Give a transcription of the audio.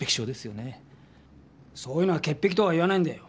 そういうのは潔癖とは言わないんだよ。